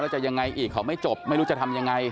จะยังไงอีกเขาไม่จบไม่รู้จะทำยังไง